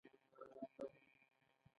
ایا ستاسو جیب له پیسو ډک دی؟